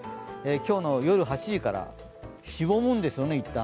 今日の夜８時から、しぼむんですよね、一旦。